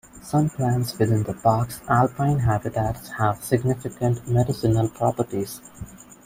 Some plants within the park's alpine habitats have significant medicinal properties.